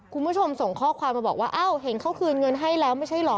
คุณผู้ชมส่งข้อความมาบอกว่าอ้าวเห็นเขาคืนเงินให้แล้วไม่ใช่เหรอ